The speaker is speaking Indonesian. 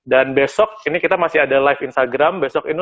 dan besok ini kita masih ada live instagram